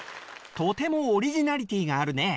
とてもオリジナリティーがあるね。